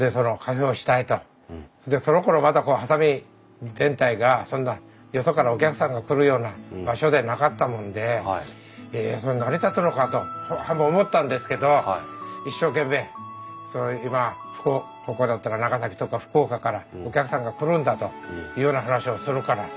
そのころまだ波佐見全体がそんなよそからお客さんが来るような場所でなかったもんでそれ成り立つのかと半分思ったんですけど一生懸命ここだったら長崎とか福岡からお客さんが来るんだというような話をするからそんなもんかなと。